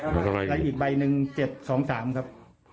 แล้วอีกใบหนึ่ง๗๒๓ครับ